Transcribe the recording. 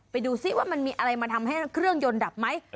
ไปดูซิว่ามันมีอะไรมาทำให้เครื่องยนต์ดับไหม